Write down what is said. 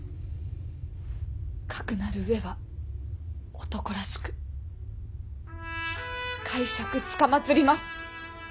かくなるうえは男らしく介錯つかまつります。